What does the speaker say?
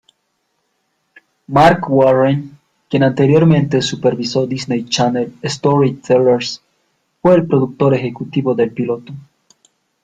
Marc Warren, quien anteriormente supervisó Disney Channel Storytellers, fue el productor ejecutivo del piloto.